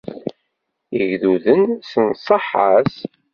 Igduden s nnṣaḥa-s.